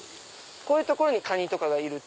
こういう所にカニとかがいる。